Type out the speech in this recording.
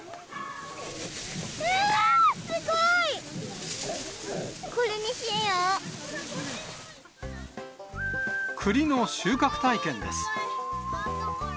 わー、すごい！くりの収穫体験です。